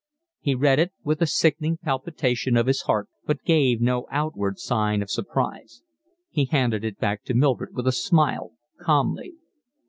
He read it with a sickening palpitation of his heart, but gave no outward sign of surprise. He handed it back to Mildred with a smile, calmly.